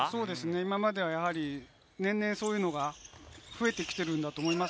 今までは年々、増えてきているんだと思います。